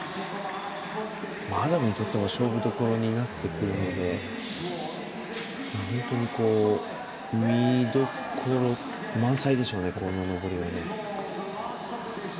アダムにとっても勝負どころになってくるので本当に、見どころ満載でしょうね。